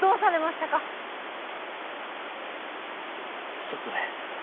ストップで。